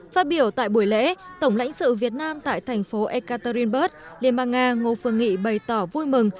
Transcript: phát biểu tại buổi lễ tổng lãnh sự việt nam tại thành phố ekaterinburg liên bang nga ngô phương nghị bày tỏ vui mừng